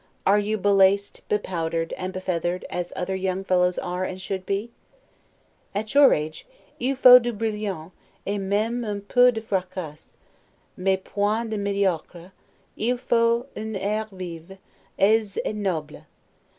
Are you be laced, bepowdered, and be feathered, as other young fellows are, and should be? At your age, 'il faut du brillant, et meme un peu de fracas, mais point de mediocre; il faut un air vif, aise et noble.